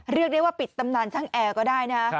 เรียกได้ว่าปิดตำนานช่างแอร์ก็ได้นะ